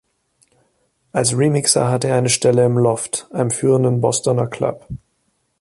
Als Remixer hatte er eine Stelle im "Loft", einem führenden Bostoner Club.